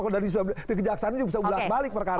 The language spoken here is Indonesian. di kejaksaan ini bisa balik balik perkara